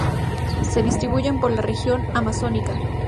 Se distribuyen por la región Amazónica.